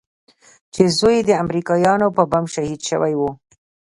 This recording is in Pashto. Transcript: چې زوى يې د امريکايانو په بم شهيد سوى و.